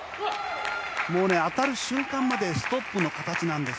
当たる瞬間までストップの形なんです。